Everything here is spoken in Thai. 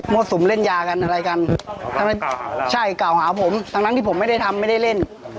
สุมเล่นยากันอะไรกันใช่กล่าวหาผมทั้งที่ผมไม่ได้ทำไม่ได้เล่น